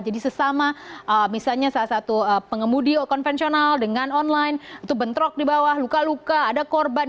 jadi sesama misalnya salah satu pengemudi konvensional dengan online itu bentrok di bawah luka luka ada korban